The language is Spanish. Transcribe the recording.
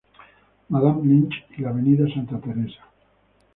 Madame Lynch y la Avda. Santa Teresa.